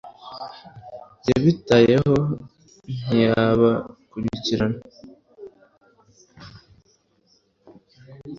yabitayeho ... ntiyabakurikira